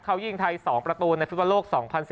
เขายิงไทย๒ประตูในฟุตบอลโลก๒๐๑๘